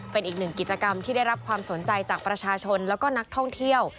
เป็นอีกหนึ่งกิจกรรมที่ได้รับความสนใจจากประชาชนแล้วก็นักท่องเที่ยว